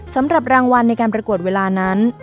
สำหรับรางวัลในการประกวดเวลานั้น